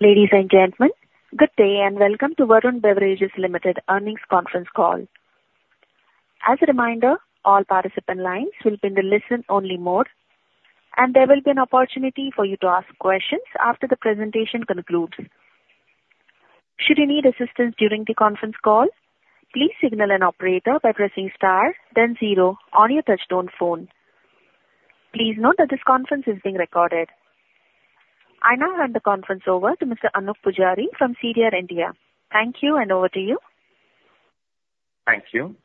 Ladies and gentlemen, good day, and welcome to Varun Beverages Limited Earnings Conference Call. As a reminder, all participant lines will be in the listen-only mode, and there will be an opportunity for you to ask questions after the presentation concludes. Should you need assistance during the conference call, please signal an operator by pressing star, then zero on your touchtone phone. Please note that this conference is being recorded. I now hand the conference over to Mr. Anoop Poojari from CDR India. Thank you, and over to you. Thank you.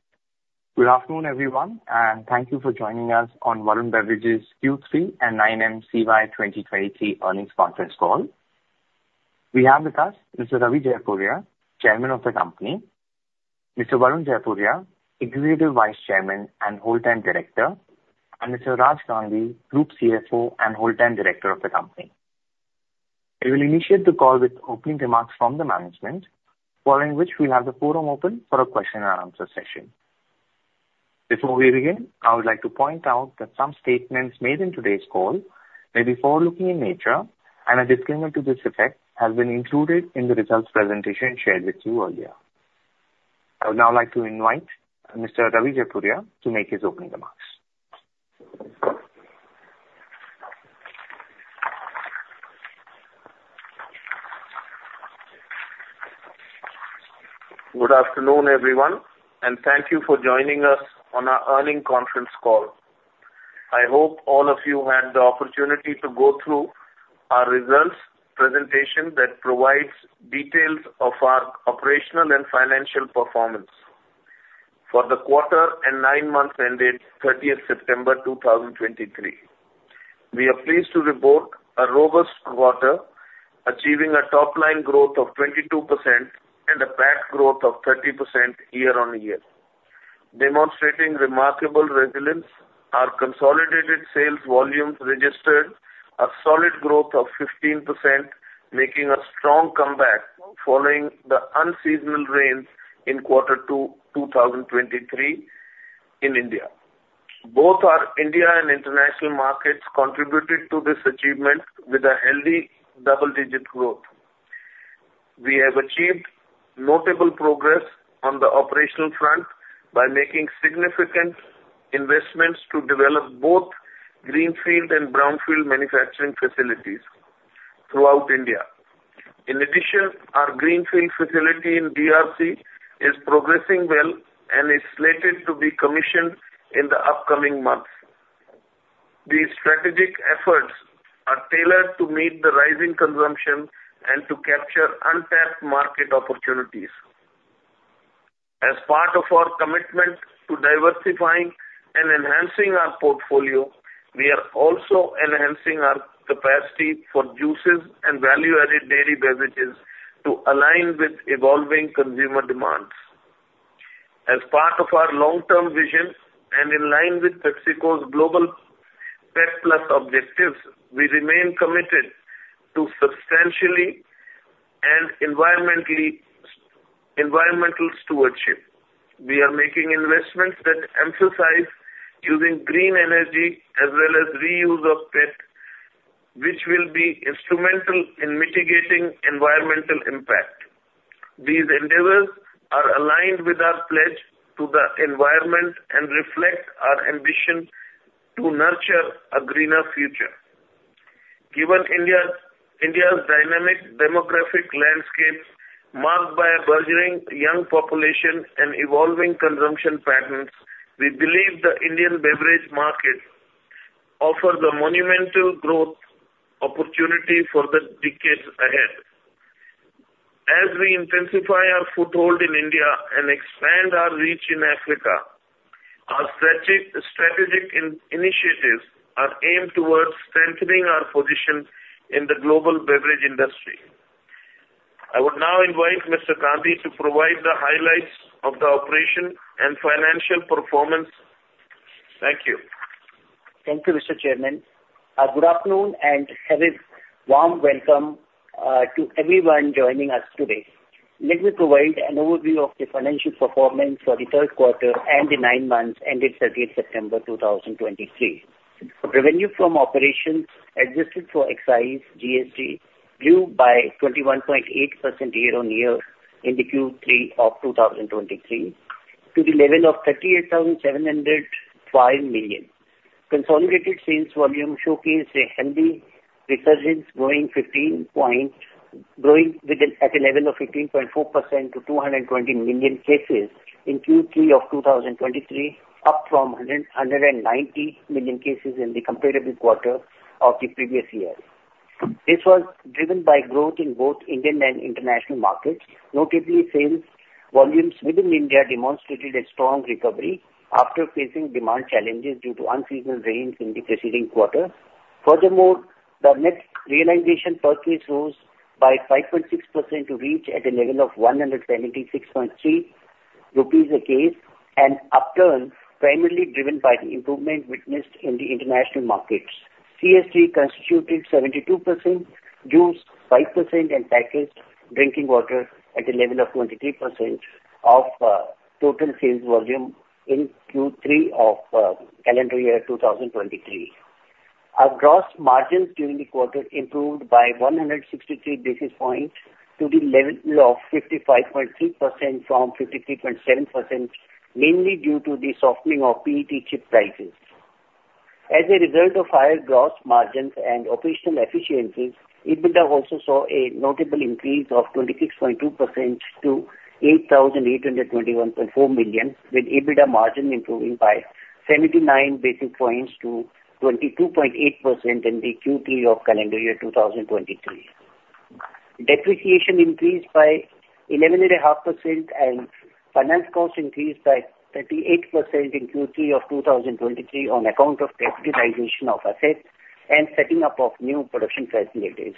Good afternoon, everyone, and thank you for joining us on Varun Beverages Q3 and nine months CY 2023 Earnings Conference Call. We have with us Mr. Ravi Jaipuria, Chairman of the company, Mr. Varun Jaipuria, Executive Vice Chairman and whole-time director, and Mr. Raj Gandhi, group CFO and whole-time director of the company. I will initiate the call with opening remarks from the management, following which we'll have the forum open for a question and answer session. Before we begin, I would like to point out that some statements made in today's call may be forward-looking in nature, and a disclaimer to this effect has been included in the results presentation shared with you earlier. I would now like to invite Mr. Ravi Jaipuria to make his opening remarks. Good afternoon, everyone, and thank you for joining us on our earnings conference call. I hope all of you had the opportunity to go through our results presentation that provides details of our operational and financial performance for the quarter and nine months ended 30 September 2023. We are pleased to report a robust quarter, achieving a top line growth of 22% and a PAT growth of 30% year-on-year. Demonstrating remarkable resilience, our consolidated sales volumes registered a solid growth of 15%, making a strong comeback following the unseasonal rains in quarter two, 2023 in India. Both our India and international markets contributed to this achievement with a healthy double-digit growth. We have achieved notable progress on the operational front by making significant investments to develop both greenfield and brownfield manufacturing facilities throughout India. In addition, our Greenfield facility in DRC is progressing well and is slated to be commissioned in the upcoming months. These strategic efforts are tailored to meet the rising consumption and to capture untapped market opportunities. As part of our commitment to diversifying and enhancing our portfolio, we are also enhancing our capacity for juices and value-added dairy beverages to align with evolving consumer demands. As part of our long-term vision, and in line with PepsiCo's global pep+ objectives, we remain committed to sustainable and environmental stewardship. We are making investments that emphasize using green energy as well as reuse of PET, which will be instrumental in mitigating environmental impact. These endeavors are aligned with our pledge to the environment and reflect our ambition to nurture a greener future. Given India's dynamic demographic landscape, marked by a burgeoning young population and evolving consumption patterns, we believe the Indian beverage market offers a monumental growth opportunity for the decades ahead. As we intensify our foothold in India and expand our reach in Africa, our strategic initiatives are aimed towards strengthening our position in the global beverage industry. I would now invite Mr. Gandhi to provide the highlights of the operation and financial performance. Thank you. Thank you, Mr. Chairman. Good afternoon and have a warm welcome to everyone joining us today. Let me provide an overview of the financial performance for the third quarter and the nine months ended 30th September 2023. Revenue from operations, adjusted for excise, GST, grew by 21.8% year-on-year in the Q3 of 2023, to the level of 38,705 million. Consolidated sales volume showcased a healthy resurgence, growing at a level of 15.4% to 220 million cases in Q3 of 2023, up from 190 million cases in the comparable quarter of the previous year. This was driven by growth in both Indian and international markets. Notably, sales volumes within India demonstrated a strong recovery after facing demand challenges due to unseasonal rains in the preceding quarter. Furthermore, the net realization per case rose by 5.6% to reach at a level of 176.3 rupees a case, an upturn primarily driven by the improvement witnessed in the international markets. CSD constituted 72%, juice, 5%, and packaged drinking water at a level of 23% of total sales volume in Q3 of calendar year 2023. Our gross margins during the quarter improved by 163 basis points to the level of 55.3% from 53.7%, mainly due to the softening of PET chip prices. As a result of higher gross margins and operational efficiencies, EBITDA also saw a notable increase of 26.2% to 8,821.4 million, with EBITDA margin improving by 79 basis points to 22.8% in the Q3 of calendar year 2023. Depreciation increased by 11.5%, and finance costs increased by 38% in Q3 of 2023 on account of capitalization of assets and setting up of new production facilities.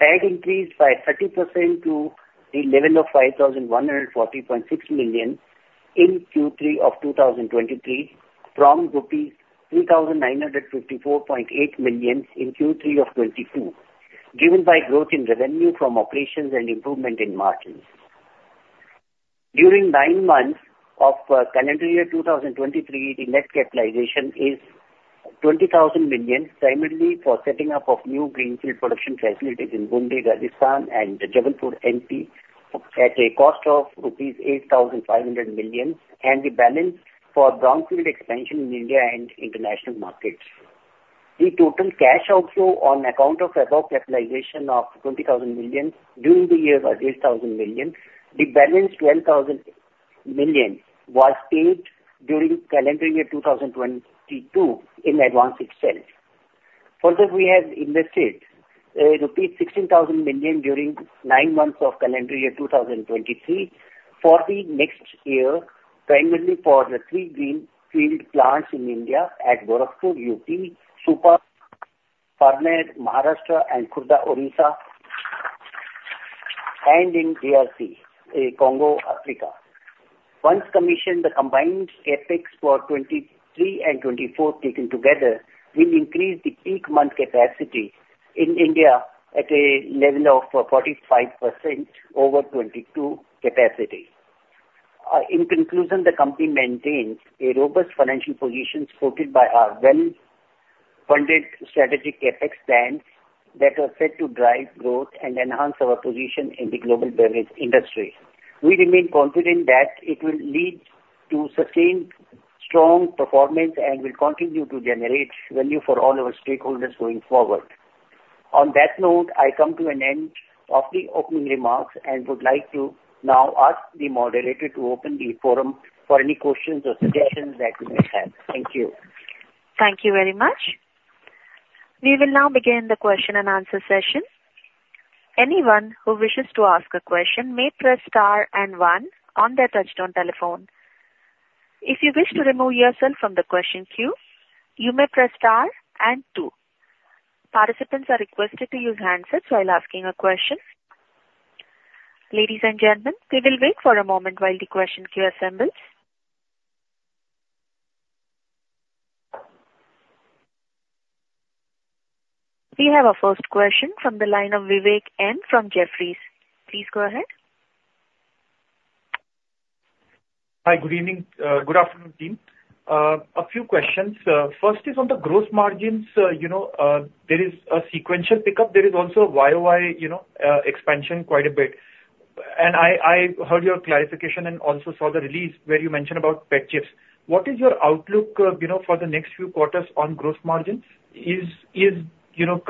CapEx increased by 30% to the level of 5,140.6 million in Q3 of 2023, from rupees 2,954.8 million in Q3 of 2022, driven by growth in revenue from operations and improvement in margins. During nine months of calendar year 2023, the net capitalization is 20,000 million, primarily for setting up of new greenfield production facilities in Bundi, Rajasthan and Jabalpur, MP, at a cost of rupees 8,500 million, and the balance for brownfield expansion in India and international markets. The total cash outflow on account of above capitalization of 20,000 million during the year was 8,000 million. The balance, 12,000 million, was paid during calendar year 2022 in advance itself. Further, we have invested rupees 16,000 million during nine months of calendar year 2023 for the next year, primarily for the three greenfield plants in India at Gorakhpur, UP; Supa, Pune, Maharashtra; and Khurda, Odisha, and in DRC, Congo, Africa. Once commissioned, the combined CapEx for 2023 and 2024 taken together, will increase the peak month capacity in India at a level of 45% over 2022 capacity. In conclusion, the company maintains a robust financial position supported by our well-funded strategic CapEx plans that are set to drive growth and enhance our position in the global beverage industry. We remain confident that it will lead to sustained strong performance and will continue to generate value for all our stakeholders going forward. On that note, I come to an end of the opening remarks and would like to now ask the moderator to open the forum for any questions or suggestions that you may have. Thank you. Thank you very much. We will now begin the question-and-answer session. Anyone who wishes to ask a question may press star and one on their touchtone telephone. If you wish to remove yourself from the question queue, you may press star and two. Participants are requested to use handsets while asking a question. Ladies and gentlemen, we will wait for a moment while the question queue assembles. We have our first question from the line of Vivek Maheshwari from Jefferies. Please go ahead. Hi, good evening, good afternoon, team. A few questions. First is on the gross margins. You know, there is a sequential pickup. There is also a YoY, you know, expansion quite a bit. And I heard your clarification and also saw the release where you mentioned about PET chips. What is your outlook, you know, for the next few quarters on gross margins? Is, you know,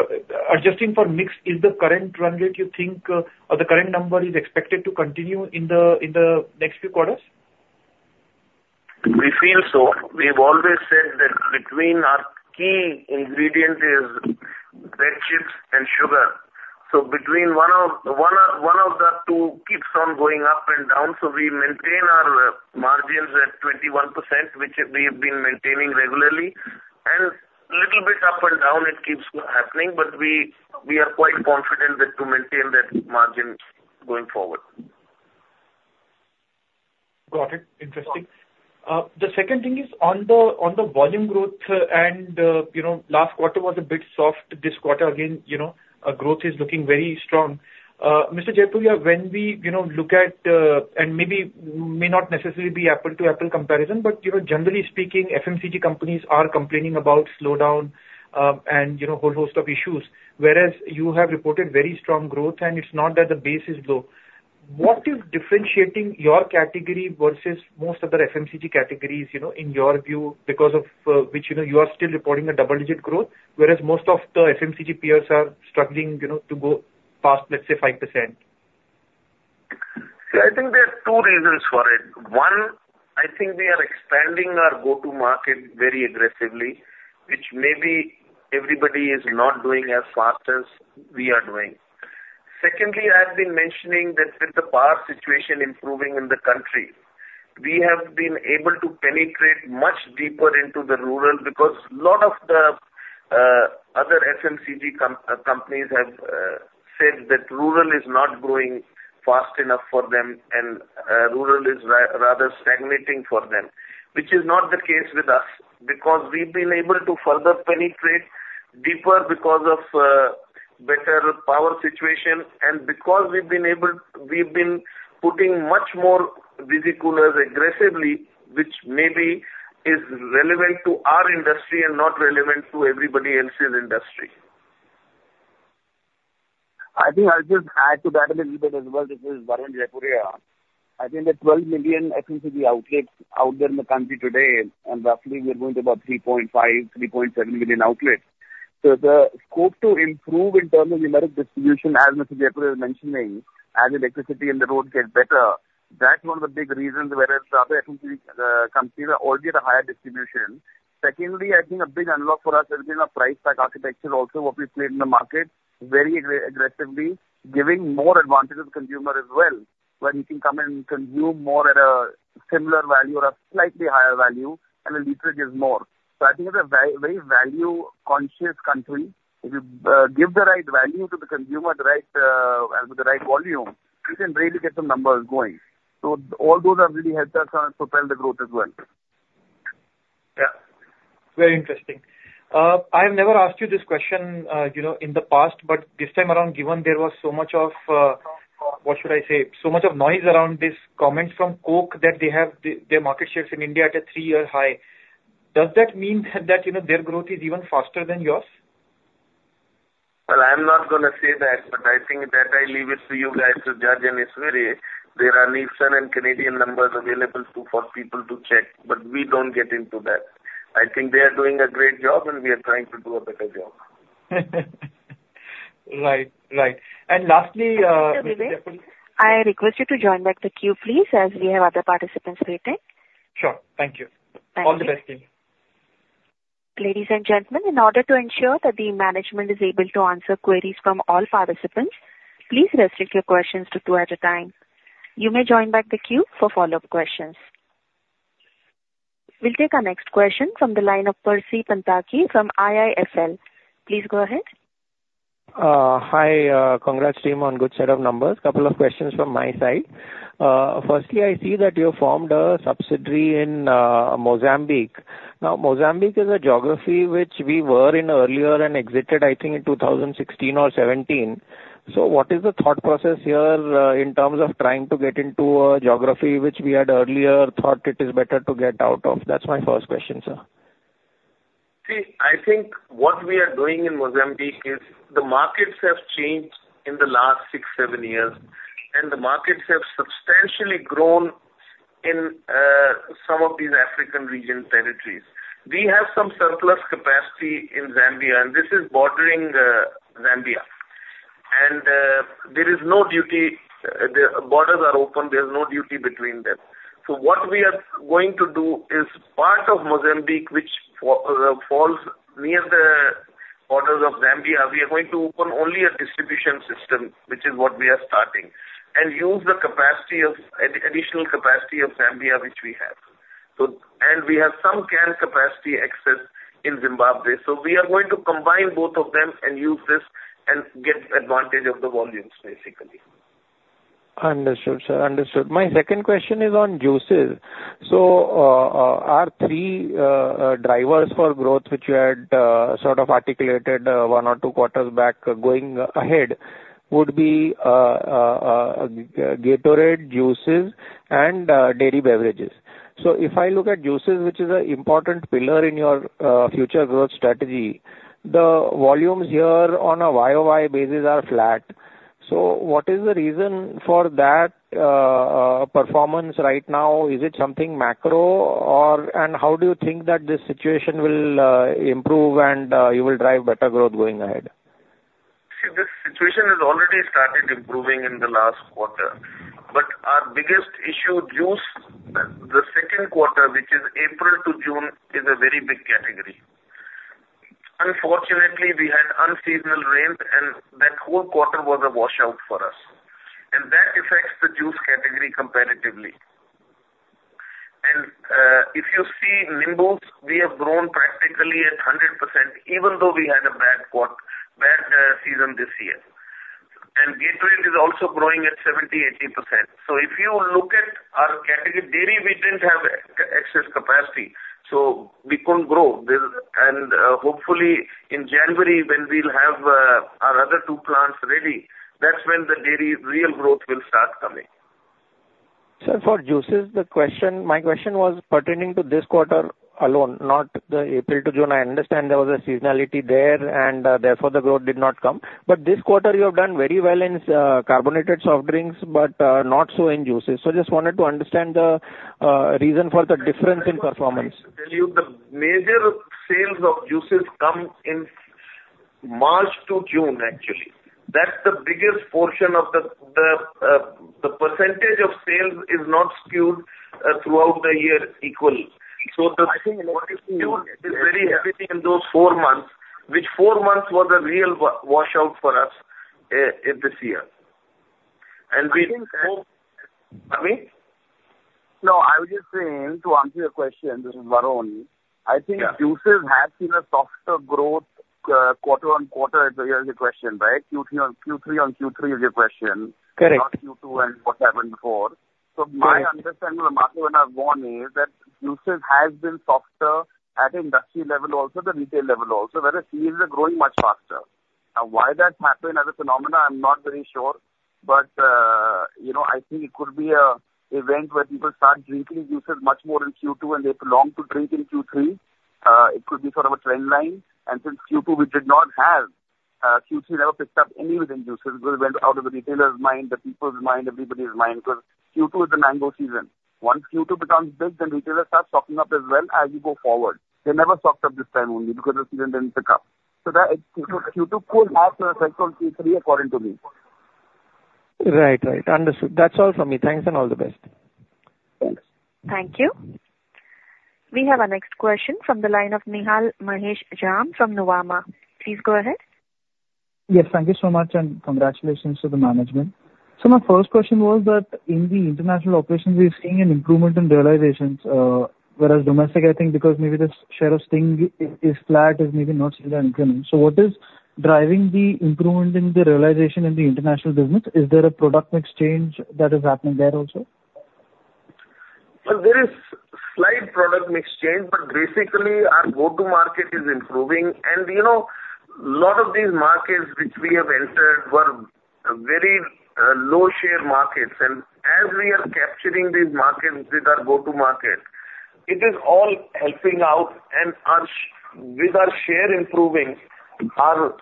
adjusting for mix, is the current run rate you think, or the current number is expected to continue in the next few quarters? We feel so. We've always said that between our key ingredient is PET chips and sugar. So between one of the two keeps on going up and down, so we maintain our margins at 21%, which we've been maintaining regularly. A little bit up and down, it keeps happening, but we are quite confident that to maintain that margin going forward. Got it. Interesting. The second thing is on the, on the volume growth and, you know, last quarter was a bit soft. This quarter, again, you know, our growth is looking very strong. Mr. Jaipuria, when we, you know, look at, and maybe may not necessarily be apple to apple comparison, but you know, generally speaking, FMCG companies are complaining about slowdown, and, you know, whole host of issues. Whereas you have reported very strong growth, and it's not that the base is low. What is differentiating your category versus most other FMCG categories, you know, in your view, because of, which, you know, you are still reporting a double-digit growth, whereas most of the FMCG peers are struggling, you know, to go past, let's say, 5%? See, I think there are two reasons for it. One, I think we are expanding our go-to-market very aggressively, which maybe everybody is not doing as fast as we are doing. Secondly, I have been mentioning that with the power situation improving in the country, we have been able to penetrate much deeper into the rural, because a lot of the other FMCG companies have said that rural is not growing fast enough for them, and rural is rather stagnating for them. Which is not the case with us, because we've been able to further penetrate deeper because of better power situation, and because we've been putting much more Visi-coolers aggressively, which maybe is relevant to our industry and not relevant to everybody else's industry. I think I'll just add to that a little bit as well. This is Varun Jaipuria. I think the 12 million FMCG outlets out there in the country today, and roughly we're going to about 3.5-3.7 million outlets. So the scope to improve in terms of numeric distribution, as Mr. Jaipuria is mentioning, as electricity in the road gets better, that's one of the big reasons whether other FMCG companies are already at a higher distribution. Secondly, I think a big unlock for us has been our Price Pack Architecture also, what we've played in the market very aggressively, giving more advantage to the consumer as well, where you can come and consume more at a similar value or a slightly higher value, and the literage is more. So I think it's a very value-conscious country. If you give the right value to the consumer, the right, and with the right volume, you can really get some numbers going. So all those have really helped us propel the growth as well. Yeah. Very interesting. I have never asked you this question, you know, in the past, but this time around, given there was so much of, what should I say? So much of noise around this comment from Coke, that they have their, their market shares in India at a three-year high. Does that mean that, you know, their growth is even faster than yours? Well, I'm not gonna say that, but I think that I leave it to you guys to judge, and it's very. There are Nielsen and Kantar numbers available to, for people to check, but we don't get into that. I think they are doing a great job, and we are trying to do a better job. Right. Right. And lastly, Mr. Jaipuria I request you to join back the queue, please, as we have other participants waiting. Sure. Thank you. Thank you. All the best, team. Ladies and gentlemen, in order to ensure that the management is able to answer queries from all participants, please restrict your questions to two at a time. You may join back the queue for follow-up questions. We'll take our next question from the line of Percy Panthaki from IIFL. Please go ahead. Hi. Congrats, team, on good set of numbers. Couple of questions from my side. Firstly, I see that you have formed a subsidiary in Mozambique. Now, Mozambique is a geography which we were in earlier and exited, I think, in 2016 or 2017. So what is the thought process here in terms of trying to get into a geography which we had earlier thought it is better to get out of? That's my first question, sir. See, I think what we are doing in Mozambique is the markets have changed in the last six, seven years, and the markets have substantially grown in some of these African region territories. We have some surplus capacity in Zambia, and this is bordering Zambia. And there is no duty. The borders are open, there's no duty between them. So what we are going to do is part of Mozambique, which falls near the borders of Zambia, we are going to open only a distribution system, which is what we are starting, and use the additional capacity of Zambia, which we have. So, and we have some can capacity excess in Zimbabwe. So we are going to combine both of them and use this and get advantage of the volumes, basically. Understood, sir. Understood. My second question is on juices. Our three drivers for growth, which you had sort of articulated one or two quarters back, going ahead, would be Gatorade, juices, and dairy beverages. If I look at juices, which is an important pillar in your future growth strategy, the volumes here on a YoY basis are flat. What is the reason for that performance right now? Is it something macro, or and how do you think that this situation will improve and you will drive better growth going ahead? See, this situation has already started improving in the last quarter. But our biggest issue, juice, the second quarter, which is April to June, is a very big category. Unfortunately, we had unseasonal rains, and that whole quarter was a washout for us, and that affects the juice category comparatively. And if you see Nimbooz, we have grown practically at 100%, even though we had a bad season this year. And Gatorade is also growing at 70%-80%. So if you look at our category, dairy, we didn't have excess capacity, so we couldn't grow. And hopefully, in January, when we'll have our other two plants ready, that's when the dairy's real growth will start coming. Sir, for juices, the question, my question was pertaining to this quarter alone, not the April to June. I understand there was a seasonality there, and therefore, the growth did not come. But this quarter you have done very well in carbonated soft drinks, but not so in juices. So just wanted to understand the reason for the difference in performance. The major sales of juices come in March to June, actually. That's the biggest portion of the percentage of sales is not skewed throughout the year equally. So the I think is very heavy in those four months, which four months was a real washout for us, this year. And we- I think so. Pardon me? No, I was just saying, to answer your question, this is Varun. Yeah. I think juices have seen a softer growth, quarter on quarter. So here is the question, right? Q3 on, Q3 on Q3 is your question Correct. Not Q2 and what happened before. So my understanding, Marco, when I've gone is that juices has been softer at industry level, also the retail level also, whereas teas are growing much faster. Now, why that's happening as a phenomenon, I'm not very sure, but, you know, I think it could be an event where people start drinking juices much more in Q2 and they prolong to drink in Q3. It could be sort of a trend line, and since Q2 we did not have, Q3 never picked up any within juices because it went out of the retailer's mind, the people's mind, everybody's mind, because Q2 is the mango season. Once Q2 becomes big, then retailers start stocking up as well as you go forward. They never stocked up this time only because the season didn't pick up. So that Q2 could have an effect on Q3, according to me. Right. Right. Understood. That's all from me. Thanks, and all the best. Thanks. Thank you. We have our next question from the line of Nehal Mahesh Jain from Nuvama. Please go ahead. Yes, thank you so much, and congratulations to the management. So my first question was that in the international operations, we're seeing an improvement in realizations, whereas domestic, I think because maybe the share of Sting is flat, is maybe not still ongoing. So what is driving the improvement in the realization in the international business? Is there a product mix change that is happening there also? Well, there is slight product mix change, but basically our go-to-market is improving. And, you know, a lot of these markets which we have entered were very low share markets. And as we are capturing these markets with our go-to-market, it is all helping out and with our share improving, our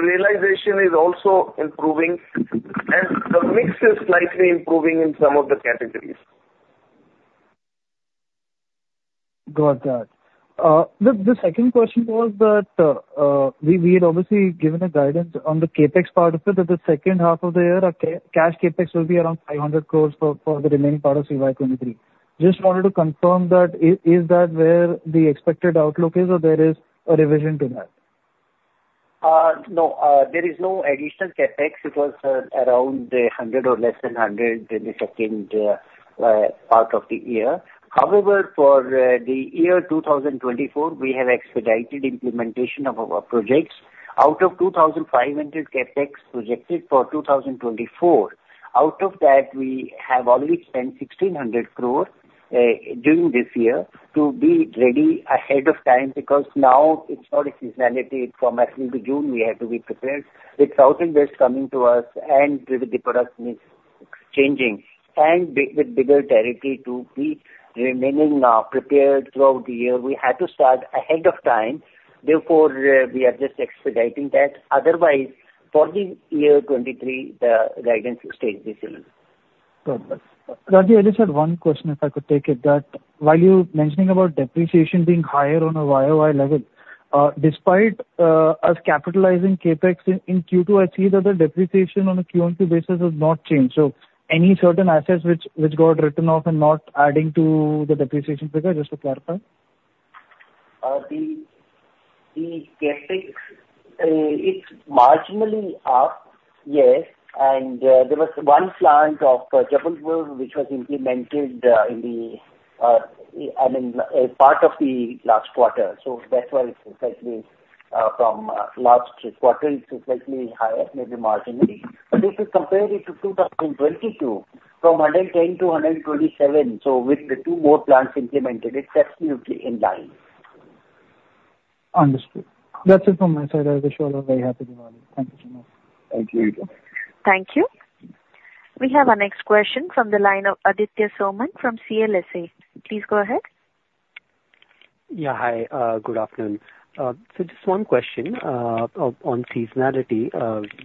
realization is also improving, and the mix is slightly improving in some of the categories. Got that. The second question was that we had obviously given a guidance on the CapEx part of it, that the second half of the year, our cash CapEx will be around 500 crore for the remaining part of FY 2023. Just wanted to confirm that is that where the expected outlook is or there is a revision to that? No, there is no additional CapEx. It was around 100 or less than 100 in the second part of the year. However, for the year 2024, we have expedited implementation of our projects. Out of 2,500 CapEx projected for 2024, out of that, we have already spent 1,600 crore during this year to be ready ahead of time, because now it's not a seasonality from March into June, we have to be prepared. With South and West coming to us and with the product mix changing and with bigger territory to be remaining prepared throughout the year, we had to start ahead of time. Therefore, we are just expediting that. Otherwise, for the year 2023, the guidance will stay the same. Got that. Raj, I just had one question, if I could take it, that while you're mentioning about depreciation being higher on a YoY level, despite us capitalizing CapEx in Q2, I see that the depreciation on a QonQ basis has not changed. So any certain assets which got written off and not adding to the depreciation figure? Just to clarify. The CapEx, it's marginally up, yes, and there was one plant of Jabalpur which was implemented in the, I mean, a part of the last quarter. So that's why it's slightly from last quarter, it's slightly higher, maybe marginally. But if you compare it to 2022, from 110 to 127, so with the two more plants implemented, it's absolutely in line. Understood. That's it from my side. I wish you all a very happy Diwali. Thank you so much. Thank you. Thank you. We have our next question from the line of Aditya Soman from CLSA. Please go ahead. Yeah, hi. Good afternoon. So just one question on seasonality.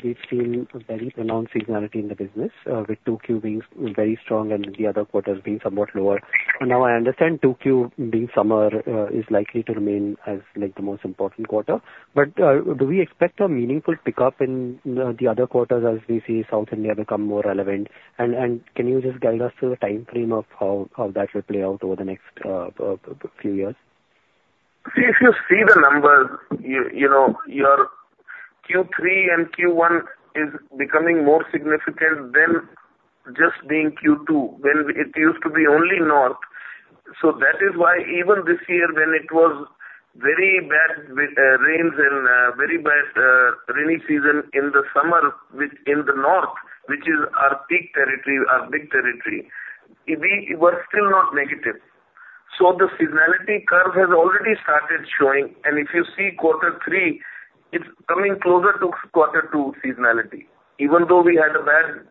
We've seen a very pronounced seasonality in the business with Q2 being very strong and the other quarters being somewhat lower. And now I understand Q2 being summer is likely to remain as, like, the most important quarter. But do we expect a meaningful pickup in the other quarters as we see South India become more relevant? And can you just guide us through the timeframe of how that will play out over the next few years? If you see the numbers, you, you know, your Q3 and Q1 is becoming more significant than just being Q2, when it used to be only north. So that is why even this year, when it was very bad with rains and very bad rainy season in the summer within the north, which is our peak territory, our big territory, we were still not negative. So the seasonality curve has already started showing, and if you see quarter three, it's coming closer to quarter two seasonality, even though we had a bad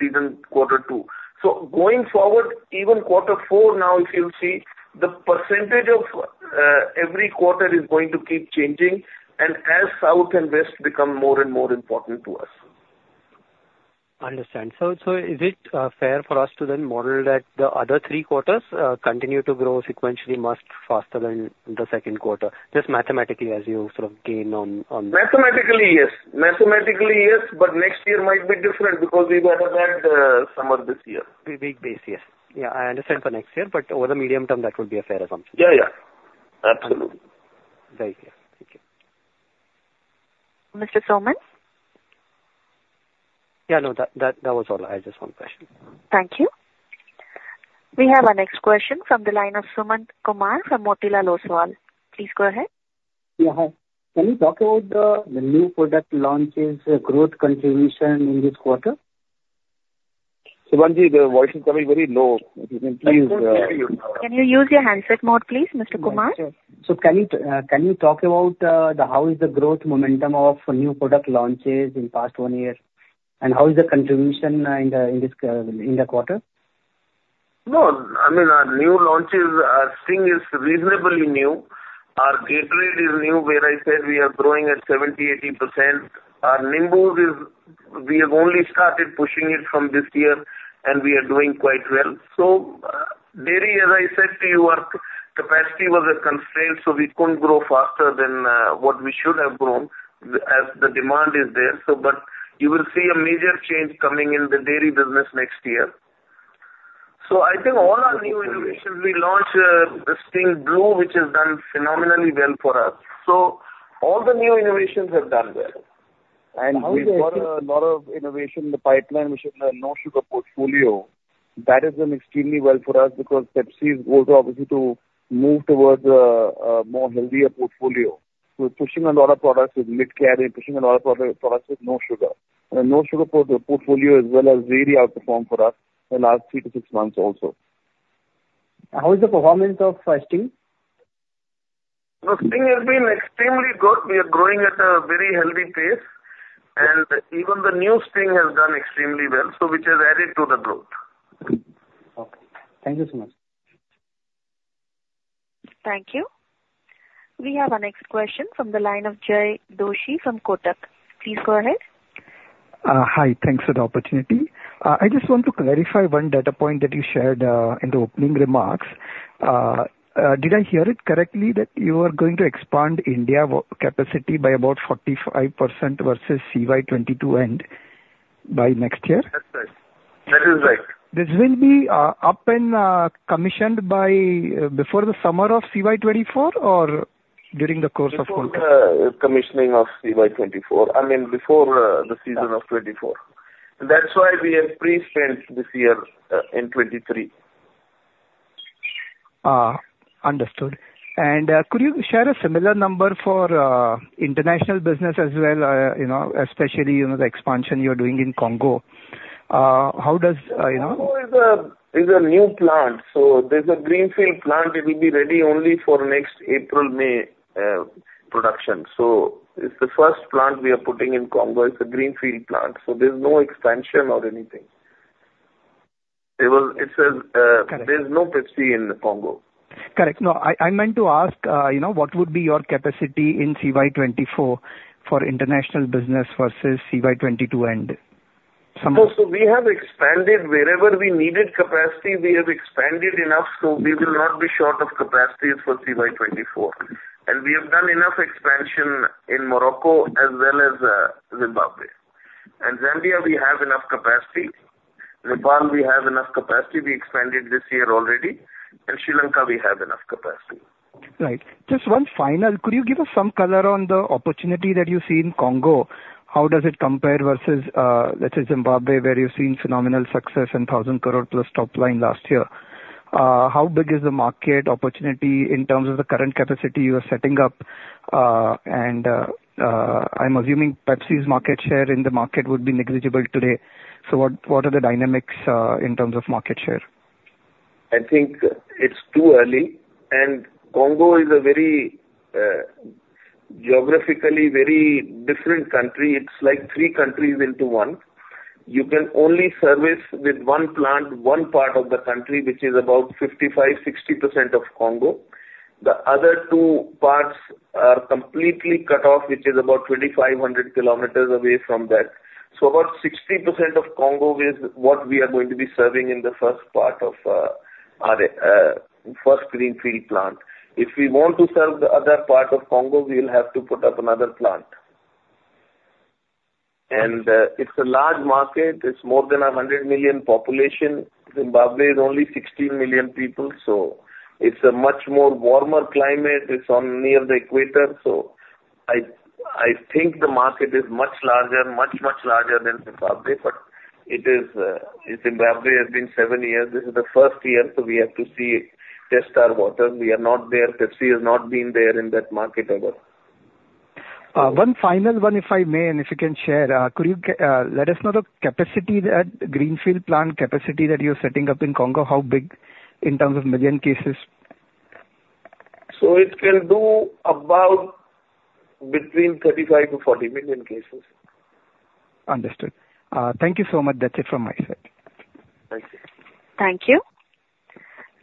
season quarter two. So going forward, even quarter four now, if you'll see, the percentage of every quarter is going to keep changing and as South and West become more and more important to us. Understand. So is it fair for us to then model that the other three quarters continue to grow sequentially much faster than the second quarter? Just mathematically as you sort of gain on Mathematically, yes. Mathematically, yes, but next year might be different because we've had a bad summer this year. Weak base, yes. Yeah, I understand for next year, but over the medium term, that would be a fair assumption. Yeah, yeah. Absolutely. Very clear. Thank you. Mr. Soman? Yeah, no, that was all. I had just one question. Thank you. We have our next question from the line of Sumant Kumar from Motilal Oswal. Please go ahead. Yeah, hi. Can you talk about the new product launches, growth contribution in this quarter? Sumanji, your voice is coming very low. If you can please, Can you use your handset mode, please, Mr. Kumar? Can you talk about the how is the growth momentum of new product launches in past one year, and how is the contribution in this quarter? No, I mean, our new launches, our Sting is reasonably new. Our Gatorade is new, where I said we are growing at 70%-80%. Our Nimbooz is, we have only started pushing it from this year, and we are doing quite well. So, dairy, as I said to you, our capacity was a constraint, so we couldn't grow faster than what we should have grown, as the demand is there. So but you will see a major change coming in the dairy business next year. So I think all our new innovations, we launched the Sting Blue, which has done phenomenally well for us. So all the new innovations have done well. And we've got a lot of innovation in the pipeline, which is a no-sugar portfolio. That has done extremely well for us, because Pepsi's goal is obviously to move towards a more healthier portfolio. We're pushing a lot of products with mid-calorie, pushing a lot of products with no sugar. And no-sugar portfolio, as well as dairy, outperformed for us in the last three to six months also. How is the performance of Sting? The Sting has been extremely good. We are growing at a very healthy pace, and even the new Sting has done extremely well, so which has added to the growth. Okay. Thank you so much. Thank you. We have our next question from the line of Jay Doshi from Kotak. Please go ahead. Hi. Thanks for the opportunity. I just want to clarify one data point that you shared, in the opening remarks. Did I hear it correctly that you are going to expand India capacity by about 45% versus CY 2022 end by next year? That's right. That is right. This will be up and commissioned by before the summer of CY 2024, or during the course of Before commissioning of CY 2024. I mean, before the season of 2024. That's why we have pre-spent this year in 2023. Understood. And, could you share a similar number for international business as well? You know, especially, you know, the expansion you're doing in Congo. How does, you know Congo is a, is a new plant, so there's a greenfield plant. It will be ready only for next April, May, production. So it's the first plant we are putting in Congo. It's a greenfield plant, so there's no expansion or anything. It was. It says, Correct. There's no Pepsi in Congo. Correct. No, I meant to ask, you know, what would be your capacity in CY 2024 for international business versus CY 2022 end? So, so we have expanded. Wherever we needed capacity, we have expanded enough, so we will not be short of capacities for CY 2024. And we have done enough expansion in Morocco as well as Zimbabwe. In Zambia, we have enough capacity. Nepal, we have enough capacity. We expanded this year already. In Sri Lanka, we have enough capacity. Right. Just one final: Could you give us some color on the opportunity that you see in Congo? How does it compare versus, let's say, Zimbabwe, where you've seen phenomenal success and 1,000 crore+ top line last year? How big is the market opportunity in terms of the current capacity you are setting up? And, I'm assuming Pepsi's market share in the market would be negligible today. So what, what are the dynamics, in terms of market share? I think it's too early, and Congo is a very, geographically very different country. It's like three countries into one. You can only service with one plant, one part of the country, which is about 55-60% of Congo. The other two parts are completely cut off, which is about 2,500 kilometers away from that. So about 60% of Congo is what we are going to be serving in the first part of, our, first Greenfield plant. If we want to serve the other part of Congo, we'll have to put up another plant. And, it's a large market. It's more than 100 million population. Zimbabwe is only 16 million people, so it's a much more warmer climate. It's on near the equator. So I think the market is much larger, much, much larger than Zimbabwe, but it is. Zimbabwe has been seven years. This is the first year, so we have to see, test our waters. We are not there. Pepsi has not been there in that market ever. One final one, if I may, and if you can share. Could you let us know the capacity, that greenfield plant capacity that you're setting up in Congo, how big in terms of million cases? It can do about between 35-40 million cases. Understood. Thank you so much. That's it from my side. Thank you. Thank you.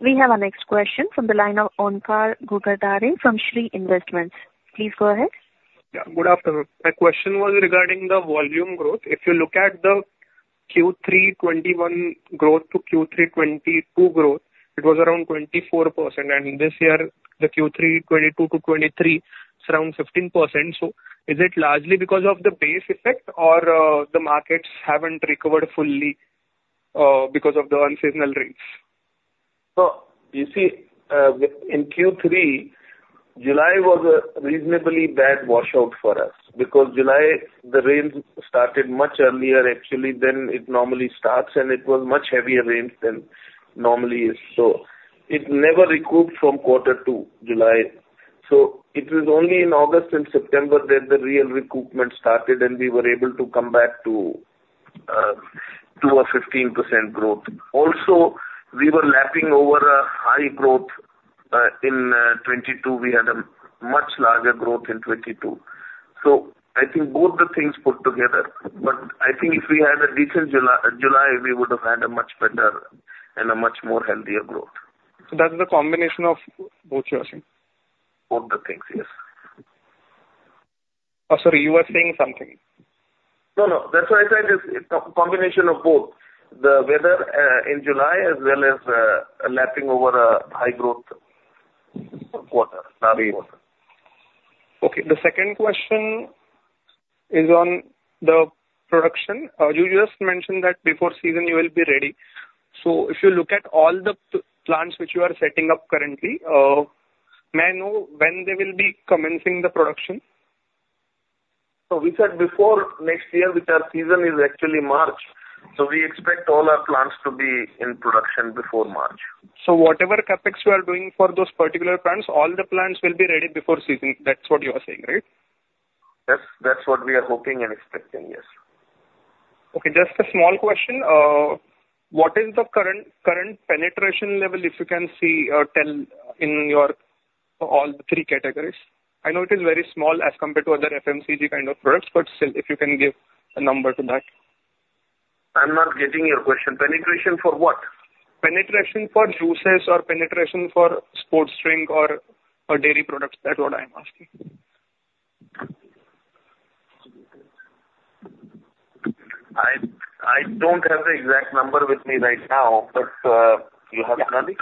We have our next question from the line of Onkar Ghugardare from Shree Investments. Please go ahead. Yeah, good afternoon. My question was regarding the volume growth. If you look at the Q3 2021 growth to Q3 2022 growth, it was around 24%. And this year, the Q3 2022 to 2023, it's around 15%. So is it largely because of the base effect, or, the markets haven't recovered fully, because of the unseasonal rains? So, you see, in Q3 July was a reasonably bad washout for us, because July, the rains started much earlier actually than it normally starts, and it was much heavier rains than normally is. So it never recouped from quarter to July. So it was only in August and September that the real recoupment started, and we were able to come back to a 15% growth. Also, we were lapping over a high growth in 2022. We had a much larger growth in 2022. So I think both the things put together, but I think if we had a decent July, July, we would have had a much better and a much more healthier growth. That's the combination of both you are saying? Both the things, yes. Oh, sorry, you were saying something. No, no. That's why I said it's a combination of both. The weather, in July, as well as, lapping over a high growth quarter. Okay. The second question is on the production. You just mentioned that before season you will be ready. So if you look at all the plants which you are setting up currently, may I know when they will be commencing the production? We said before next year, which our season is actually March, so we expect all our plants to be in production before March. So whatever CapEx you are doing for those particular plants, all the plants will be ready before season. That's what you are saying, right? That's what we are hoping and expecting, yes. Okay, just a small question. What is the current, current penetration level, if you can see or tell in your all three categories? I know it is very small as compared to other FMCG kind of products, but still, if you can give a number to that. I'm not getting your question. Penetration for what? Penetration for juices or penetration for sports drink or, or dairy products. That's what I'm asking. I don't have the exact number with me right now, but you have Nani?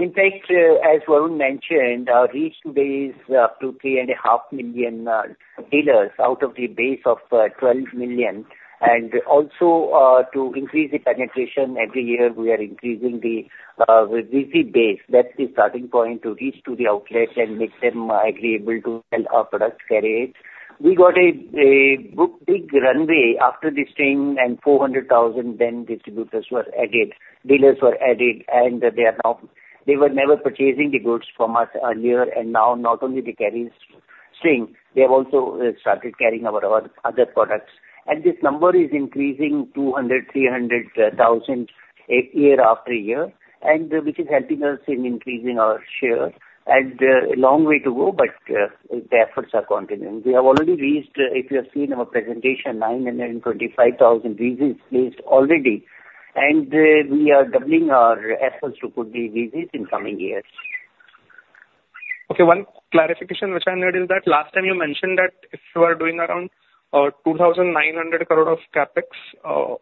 In fact, as Varun mentioned, our reach today is up to 3.5 million dealers out of the base of 12 million. Also, to increase the penetration, every year, we are increasing the base. That's the starting point to reach to the outlets and make them agreeable to sell our products, carry it. We got a good big runway after the Sting, and 400,000 then distributors were added, dealers were added, and they are now. They were never purchasing the goods from us earlier, and now not only they carry Sting, they have also started carrying our other products. This number is increasing 200,000-300,000 year after year, and which is helping us in increasing our share. A long way to go, but the efforts are continuing. We have already reached, if you have seen our presentation, 925,000 visits base already, and we are doubling our efforts to put the visits in coming years. Okay, one clarification which I heard is that last time you mentioned that if you are doing around 2,900 crore of CapEx,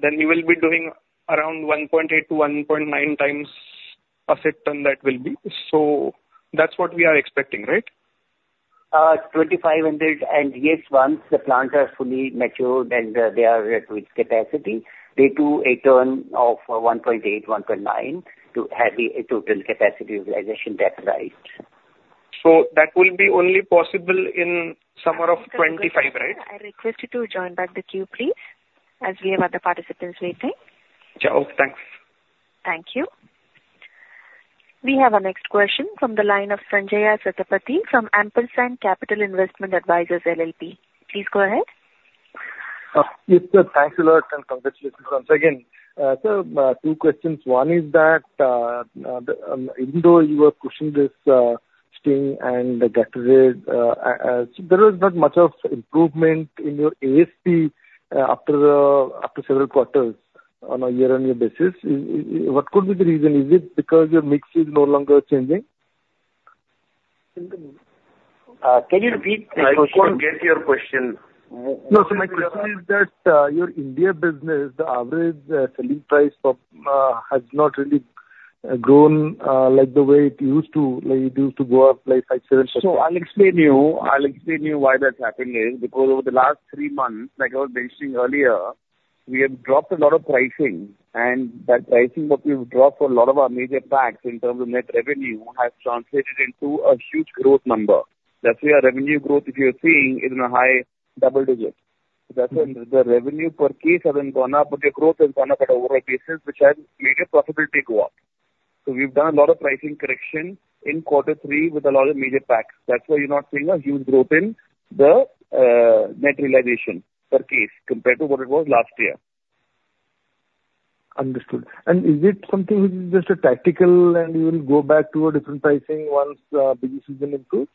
then you will be doing around 1.8-1.9 times asset turn, that will be. So that's what we are expecting, right? 2,500, and yes, once the plants are fully matured and they are at with capacity, they do a turn of 1.8, 1.9 to have a total capacity utilization. That's right. That will be only possible in summer of 2025, right? I request you to join back the queue, please, as we have other participants waiting. Yeah. Okay, thanks. Thank you. We have our next question from the line of Sanjaya Satapathy from Ampersand Capital Investment Advisors LLP. Please go ahead. Yes, sir. Thanks a lot, and congratulations once again. Two questions. One is that, even though you are pushing this, Sting and Gatorade, there is not much of improvement in your ASP, after several quarters on a year-on-year basis. What could be the reason? Is it because your mix is no longer changing? Can you repeat the question? I couldn't get your question. No, so my question is that, your India business, the average selling price of has not really grown like the way it used to, like, it used to go up like 5%-7%. So I'll explain to you, I'll explain to you why that's happening, is because over the last three months, like I was mentioning earlier, we have dropped a lot of pricing, and that pricing that we've dropped for a lot of our major packs in terms of net revenue, has translated into a huge growth number. That's why our revenue growth, if you're seeing, is in a high double digits. That's where the revenue per case hasn't gone up, but the growth has gone up at a overall basis, which has made it profitability go up. So we've done a lot of pricing correction in quarter three with a lot of major packs. That's why you're not seeing a huge growth in the net realization per case compared to what it was last year. Understood. And is it something which is just a tactical and you will go back to a different pricing once business has been improved?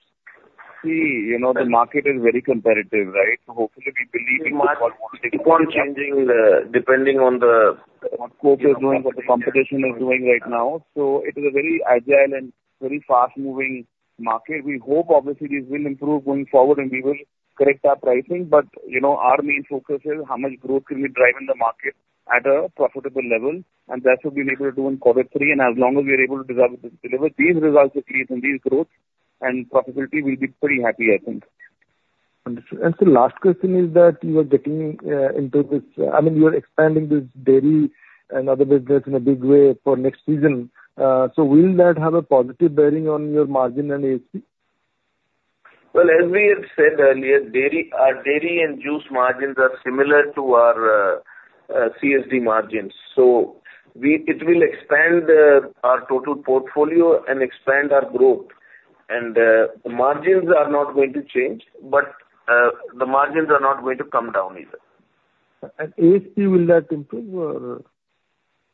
See, you know, the market is very competitive, right? So hopefully we believe it will keep on changing, depending on the scope is doing, what the competition is doing right now. So it is a very agile and very fast-moving market. We hope obviously this will improve going forward and we will correct our pricing. But, you know, our main focus is how much growth can we drive in the market at a profitable level, and that's what we've been able to do in quarter three. And as long as we are able to deliver, deliver these results, these, and these growth and profitability, we'll be pretty happy, I think. Understood. The last question is that you are getting into this, I mean, you are expanding this dairy and other business in a big way for next season. So will that have a positive bearing on your margin and ASP? Well, as we have said earlier, dairy, our dairy and juice margins are similar to our CSD margins. So it will expand our total portfolio and expand our growth. And the margins are not going to change, but the margins are not going to come down either. ASP, will that improve or?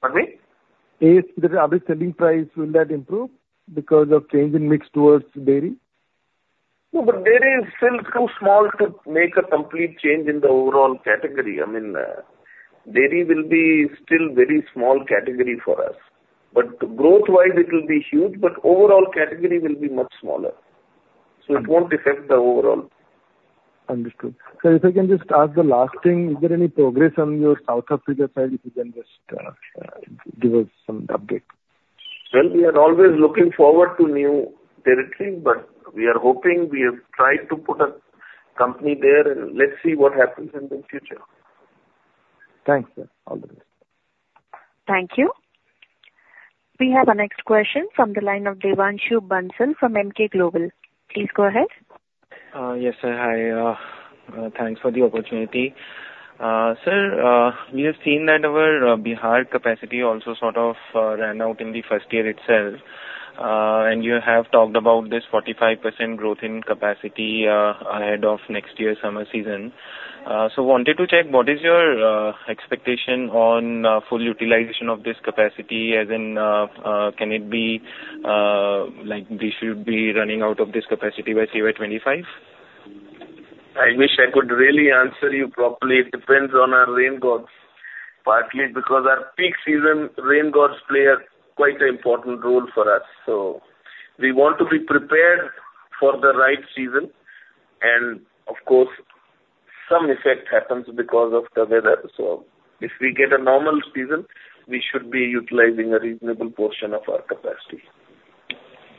Pardon me? ASP, the average selling price, will that improve because of change in mix towards dairy? No, but dairy is still too small to make a complete change in the overall category. I mean, dairy will be still very small category for us, but growth-wise it will be huge, but overall category will be much smaller, so it won't affect the overall. Understood. Sir, if I can just ask the last thing, is there any progress on your South Africa side? If you can just give us some update. Well, we are always looking forward to new territory, but we are hoping we have tried to put a company there, and let's see what happens in the future. Thanks, sir. All the best. Thank you. We have our next question from the line of Devanshu Bansal from Emkay Global. Please go ahead. Yes, sir. Hi, thanks for the opportunity. Sir, we have seen that our Bihar capacity also sort of ran out in the first year itself. And you have talked about this 45% growth in capacity ahead of next year's summer season. So wanted to check, what is your expectation on full utilization of this capacity? As in, can it be like we should be running out of this capacity by CY 2025? I wish I could really answer you properly. It depends on our rain gods, partly because our peak season rain gods play a quite an important role for us. So we want to be prepared for the right season. And of course, some effect happens because of the weather. So if we get a normal season, we should be utilizing a reasonable portion of our capacity.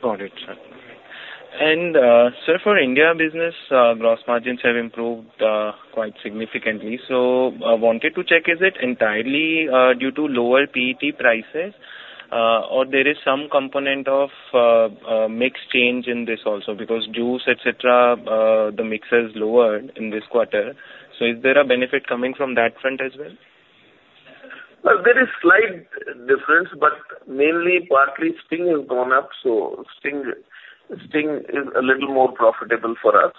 Got it, sir. And, sir, for India business, gross margins have improved quite significantly. So I wanted to check, is it entirely due to lower PET prices, or there is some component of mix change in this also? Because juice, et cetera, the mix is lower in this quarter. So is there a benefit coming from that front as well? Well, there is slight difference, but mainly, partly, Sting has gone up, so Sting, Sting is a little more profitable for us.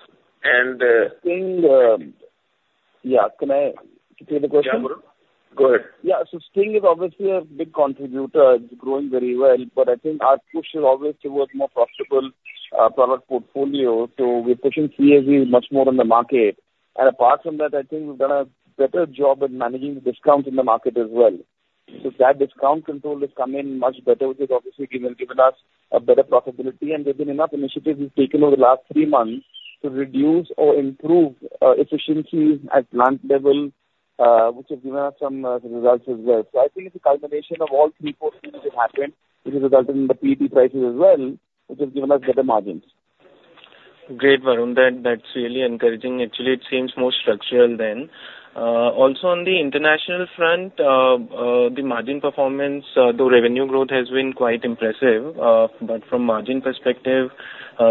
And, Sting, yeah. Can I repeat the question? Yeah, Varun. Go ahead. Yeah. So Sting is obviously a big contributor. It's growing very well, but I think our push is always towards more profitable product portfolio, so we're pushing CAV much more in the market. And apart from that, I think we've done a better job at managing discounts in the market as well. So that discount control has come in much better, which has obviously given us a better profitability. And there's been enough initiatives we've taken over the last three months to reduce or improve efficiency at plant level, which has given us some results as well. So I think it's a culmination of all three, four things which happened, which has resulted in the PET prices as well, which has given us better margins. Great, Varun. That, that's really encouraging. Actually, it seems more structural than. Also on the international front, the margin performance, though revenue growth has been quite impressive, but from margin perspective,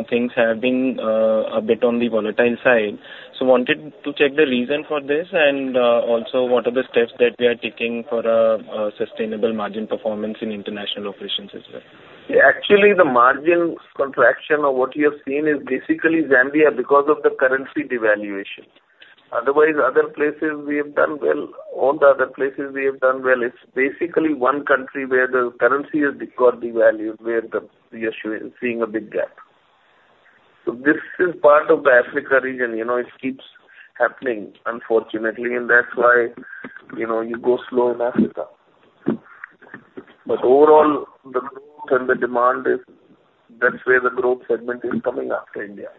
things have been a bit on the volatile side. So wanted to check the reason for this and also what are the steps that we are taking for a sustainable margin performance in international operations as well? Actually, the margin contraction or what you have seen is basically Zambia, because of the currency devaluation. Otherwise, other places we have done well. All the other places we have done well. It's basically one country where the currency has got devalued, where the issue is seeing a big gap. So this is part of the Africa region, you know, it keeps happening, unfortunately. And that's why, you know, you go slow in Africa. But overall, the growth and the demand is. That's where the growth segment is coming after India.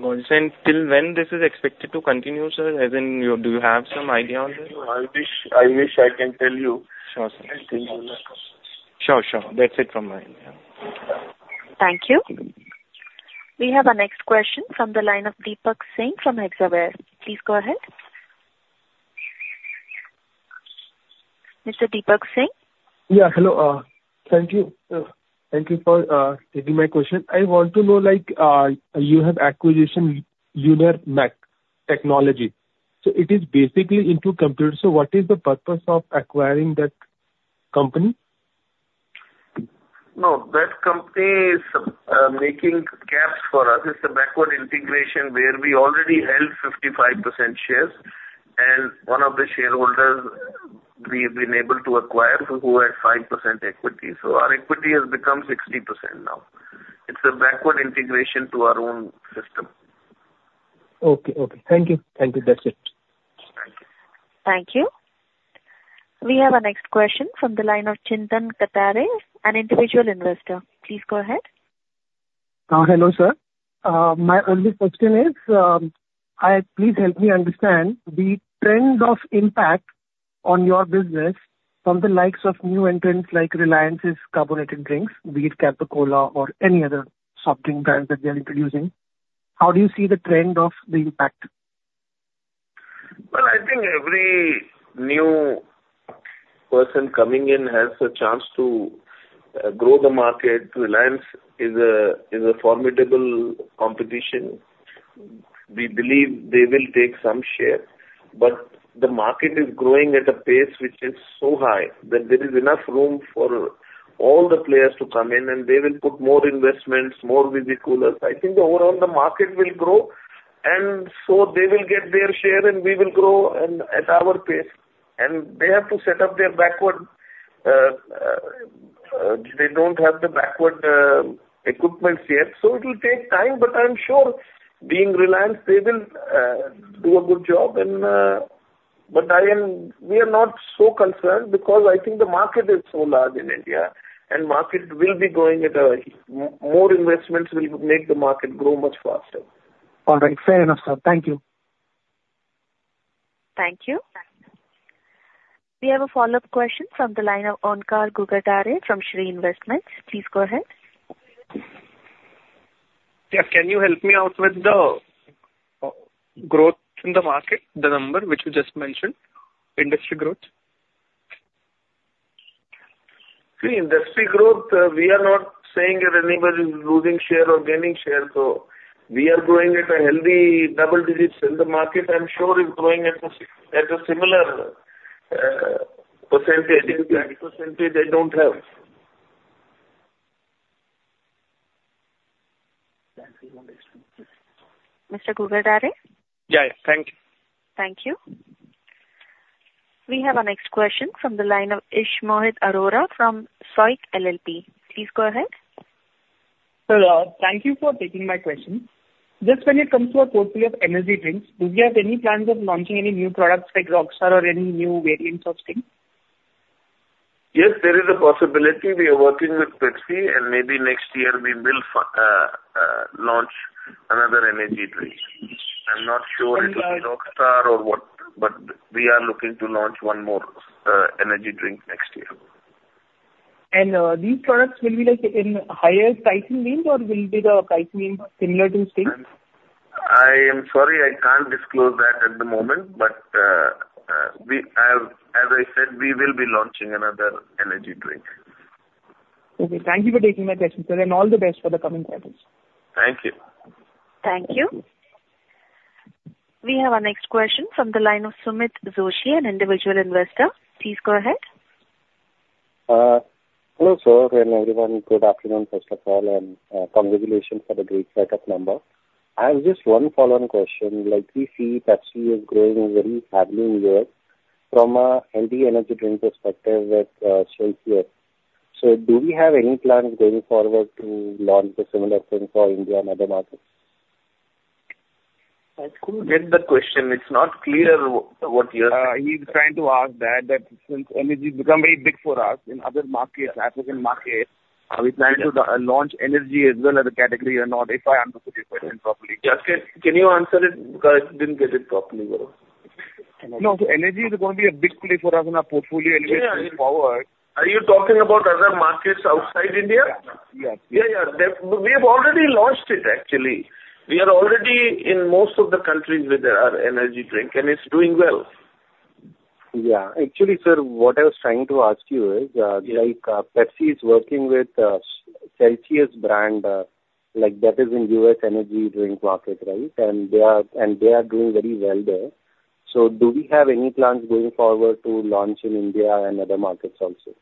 Got it. Till when this is expected to continue, sir? As in, you, do you have some idea on this? I wish, I wish I can tell you. Sure, sir. I think- Sure, sure. That's it from my end, yeah. Thank you. We have our next question from the line of Deepak Singh from Hexaware. Please go ahead. Mr. Deepak Singh? Yeah, hello. Thank you. Thank you for taking my question. I want to know, like, you have acquisition, Lunarmech Technologies. So it is basically into computers, so what is the purpose of acquiring that company? No, that company is making caps for us. It's a backward integration where we already held 55% shares, and one of the shareholders we've been able to acquire who had 5% equity. So our equity has become 60% now. It's a backward integration to our own system. Okay. Okay. Thank you. Thank you. That's it. Thank you. We have our next question from the line of Chintan Katare, an individual investor. Please go ahead. Hello, sir. My only question is, please help me understand the trend of impact on your business from the likes of new entrants, like Reliance's carbonated drinks, be it Campa Cola or any other soft drink brand that they are introducing, how do you see the trend of the impact? Well, I think every new person coming in has a chance to grow the market. Reliance is a formidable competition. We believe they will take some share, but the market is growing at a pace which is so high that there is enough room for all the players to come in, and they will put more investments, more visi-coolers. I think overall, the market will grow, and so they will get their share, and we will grow and at our pace. And they have to set up their backward, they don't have the backward equipment yet, so it will take time. But I'm sure being Reliance, they will do a good job and But we are not so concerned because I think the market is so large in India, and market will be growing. More investments will make the market grow much faster. All right, fair enough, sir. Thank you. Thank you. We have a follow-up question from the line of Onkar Ghugardare from Shree Investments. Please go ahead. Yeah, can you help me out with the growth in the market, the number which you just mentioned, industry growth? See, industry growth, we are not saying that anybody is losing share or gaining share, so we are growing at a healthy double digits, and the market, I'm sure, is growing at a similar percentage. The percentage, they don't have. Mr. Guggare? Yeah, yeah. Thank you. Thank you. We have our next question from the line of Mohit Arora from SOIC LLP. Please go ahead. Sir, thank you for taking my question. Just when it comes to our portfolio of energy drinks, do we have any plans of launching any new products like Rockstar or any new variants of Sting? Yes, there is a possibility. We are working with Pepsi, and maybe next year we will launch another energy drink. I'm not sure it will be Rockstar or what, but we are looking to launch one more energy drink next year. These products will be, like, in higher pricing range, or will be the pricing range similar to Sting? I am sorry, I can't disclose that at the moment, but, as I said, we will be launching another energy drink. Okay. Thank you for taking my question, sir, and all the best for the coming quarters. Thank you. Thank you. We have our next question from the line of Sumit Joshi, an individual investor. Please go ahead. Hello, sir and everyone, good afternoon, first of all, and, congratulations for the great set of number. I have just one follow-on question: like, we see Pepsi is growing very heavily in the U.S. from a healthy energy drink perspective with, Celsius. So do we have any plans going forward to launch a similar thing for India and other markets? I couldn't get the question. It's not clear what you're He's trying to ask that since energy has become very big for us in other markets, African markets, are we planning to launch energy as well as a category or not, if I understood your question properly. Yes, can you answer it? Because I didn't get it properly, Varun. No, so energy is going to be a big play for us in our portfolio going forward. Are you talking about other markets outside India? Yeah. Yeah, yeah. We have already launched it, actually. We are already in most of the countries with our energy drink, and it's doing well. Yeah. Actually, sir, what I was trying to ask you is, Yeah. Like, Pepsi is working with Celsius brand, like, that is in U.S. energy drink market, right? And they are doing very well there. So do we have any plans going forward to launch in India and other markets also?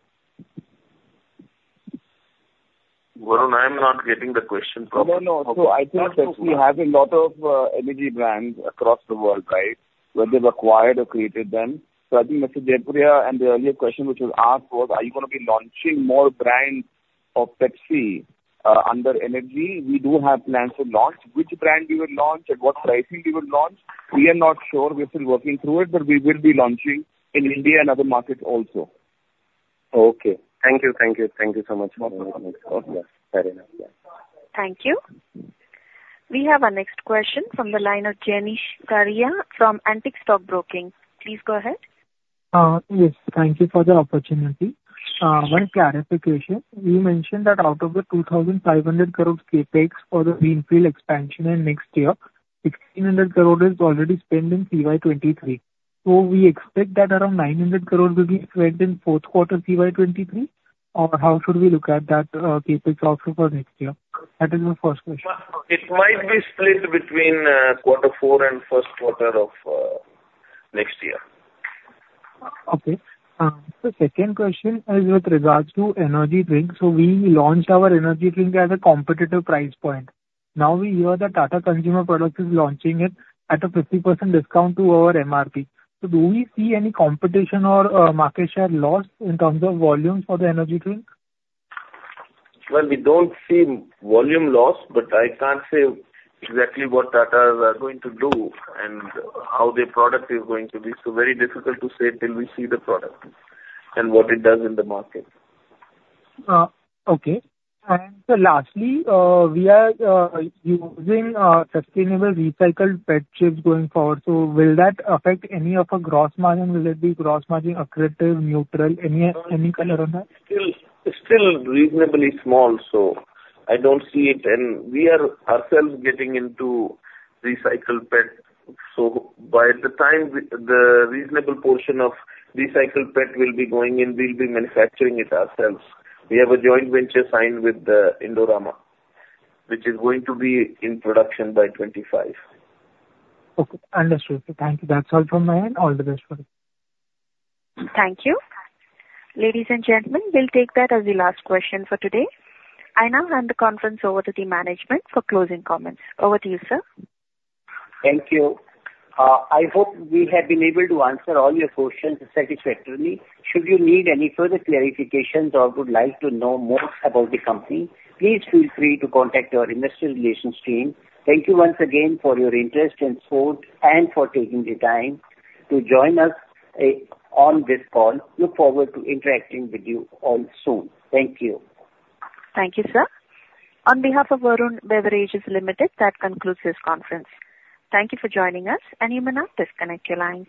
Varun, I am not getting the question properly. No, no. So I think that we have a lot of energy brands across the world, right? Whether they've acquired or created them. So I think Mr. Jaipuria, and the earlier question which was asked was, are you going to be launching more brands of Pepsi under energy? We do have plans to launch. Which brand we will launch, at what pricing we will launch, we are not sure. We're still working through it, but we will be launching in India and other markets also. Okay. Thank you, thank you. Thank you so much. Welcome. Okay. Fair enough, yeah. Thank you. We have our next question from the line of Jenish Karia from Antique Stock Broking. Please go ahead. Yes, thank you for the opportunity. One clarification: you mentioned that out of the 2,500 crore CapEx for the greenfield expansion in next year, 1,600 crore is already spent in FY 2023. So we expect that around 900 crore will be spent in fourth quarter FY 2023, or how should we look at that, CapEx also for next year? That is my first question. It might be split between quarter four and first quarter of next year. Okay. The second question is with regards to energy drinks. So we launched our energy drink at a competitive price point. Now, we hear that Tata Consumer Products is launching it at a 50% discount to our MRP. So do we see any competition or market share loss in terms of volume for the energy drink? Well, we don't see volume loss, but I can't say exactly what Tata are going to do and how their product is going to be. Very difficult to say till we see the product and what it does in the market. Okay. And sir, lastly, we are using sustainable recycled PET chips going forward. So will that affect any of our gross margin? Will it be gross margin accretive, neutral, any color on that? Still, still reasonably small, so I don't see it. And we are ourselves getting into recycled PET, so by the time the reasonable portion of recycled PET will be going in, we'll be manufacturing it ourselves. We have a joint venture signed with Indorama, which is going to be in production by 2025. Okay, understood. Thank you. That's all from my end. All the best for it. Thank you. Ladies and gentlemen, we'll take that as the last question for today. I now hand the conference over to the management for closing comments. Over to you, sir. Thank you. I hope we have been able to answer all your questions satisfactorily. Should you need any further clarifications or would like to know more about the company, please feel free to contact our investor relations team. Thank you once again for your interest and support and for taking the time to join us on this call. Look forward to interacting with you all soon. Thank you. Thank you, sir. On behalf of Varun Beverages Limited, that concludes this conference. Thank you for joining us, and you may now disconnect your lines.